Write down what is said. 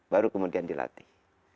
baru kemudian dilatih